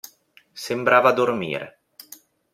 Sembrava dormire.